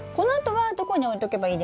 はい。